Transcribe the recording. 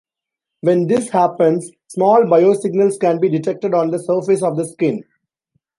When this happens, small biosignals can be detected on the surface of the skin.